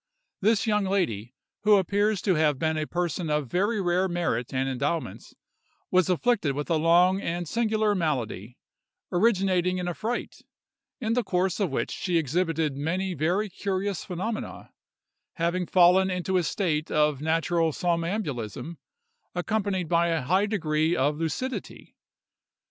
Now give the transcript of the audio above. This young lady, who appears to have been a person of very rare merit and endowments, was afflicted with a long and singular malady, originating in a fright, in the course of which she exhibited many very curious phenomena, having fallen into a state of natural somnambulism, accompanied by a high degree of lucidity.